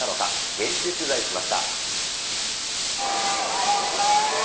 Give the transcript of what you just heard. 現地取材しました。